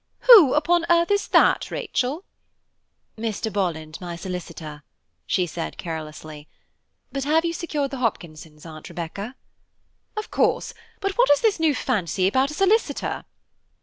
"Who upon earth is that, Rachel?" "Mr. Bolland, my solicitor," she said carelessly, "but have you secured the Hopkinsons, Aunt Rebecca?" "Of course, but what is this new fancy about a solicitor?"